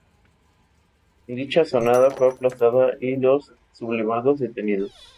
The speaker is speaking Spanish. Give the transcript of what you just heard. Dicha asonada fue aplastada y los sublevados detenidos.